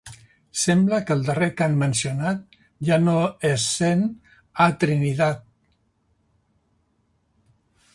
Sembla que el darrer cant mencionat ja no es sent a Trinidad.